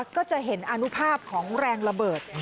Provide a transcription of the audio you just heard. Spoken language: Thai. ก็จะเห็นอนุภาพของแรงระเบิด